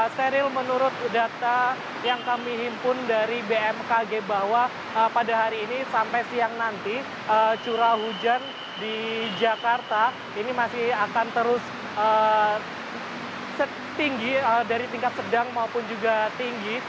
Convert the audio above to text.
steril menurut data yang kami himpun dari bmkg bahwa pada hari ini sampai siang nanti curah hujan di jakarta ini masih akan terus setinggi dari tingkat sedang maupun juga tinggi